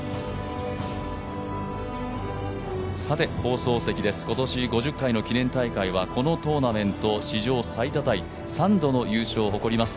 さて放送席です、今年５０回のこの大会はこのトーナメント史上最多タイ３度の優勝を誇ります